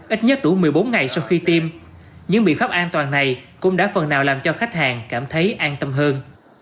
ít nhất đủ một mươi bốn ngày sau khi tiêm những biện pháp an toàn này cũng đã phần nào làm cho khách hàng cảm thấy an tâm hơn